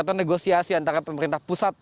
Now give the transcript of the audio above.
atau negosiasi antara pemerintah pusat